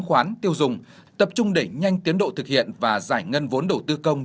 khoán tiêu dùng tập trung đẩy nhanh tiến độ thực hiện và giải ngân vốn đầu tư công